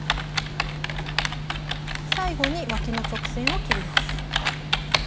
最後にわきの直線を切ります。